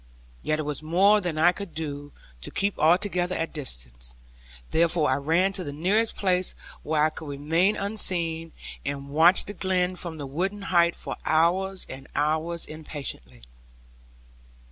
Yet it was more than I could do to keep altogether at distance; therefore I ran to the nearest place where I could remain unseen, and watched the glen from the wooded height, for hours and hours, impatiently.